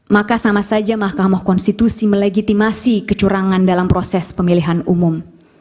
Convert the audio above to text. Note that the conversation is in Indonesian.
maka sama saja mahkamah konstitusi melegitimasi kecurangan dalam proses pemilihan umum